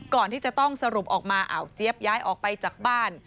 ก่อนที่จะต้องสรุปออกมาอ่าวเจี๊ยบย้ายออกไปจากบ้าน